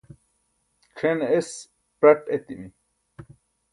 c̣ʰen es praṭ eetimi